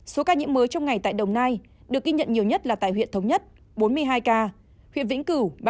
số ca nhiễm mới trong ngày tại đồng nai được ghi nhận nhiều nhất là tại huyện thống nhất bốn mươi hai ca huyện vĩnh cửu ba mươi chín ca